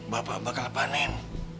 bapak bakal panen